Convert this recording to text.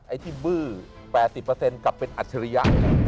ไอ้ที่บื้อ๘๐กลับเป็นอัจฉริยะ